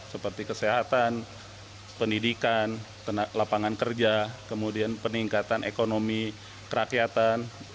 seperti kesehatan pendidikan lapangan kerja kemudian peningkatan ekonomi kerakyatan